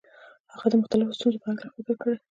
د هغو مختلفو ستونزو په هکله فکر کړی.